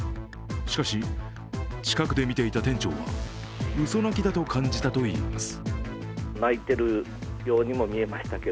しかし、近くで見ていた店長は嘘泣きだと感じたといいます。